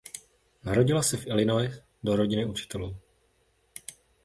Narodila se v Illinois do rodiny učitelů.